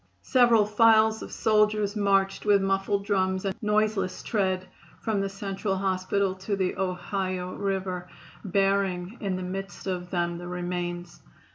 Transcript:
Several files of soldiers marched with muffled drums and noiseless tread from the Central Hospital to the Ohio River, bearing in the midst of them the remains.